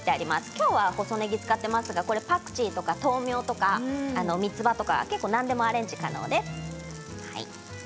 今日は細ねぎを使っていますがパクチーとか豆苗とかみつばとか何でもアレンジ可能です。